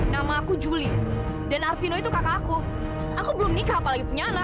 nama aku juli dan arvino itu kakak aku aku belum nikah apalagi punya anak